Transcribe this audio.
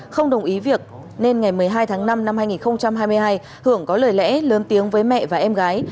không đồng ý việc nên ngày một mươi hai tháng năm năm hai nghìn hai mươi hai hưởng có lời lẽ lớn tiếng với mẹ và em gái